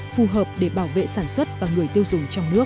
phù hợp để bảo vệ sản xuất và người tiêu dùng trong nước